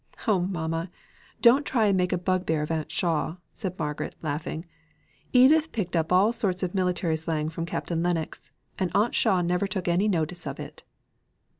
"Oh, mamma! don't try and make a bugbear of aunt Shaw," said Margaret, laughing. "Edith picked up all sorts of military slang from Captain Lennox, and aunt Shaw never took any notice of it."